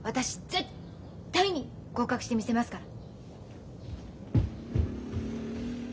絶対に合格してみせますから。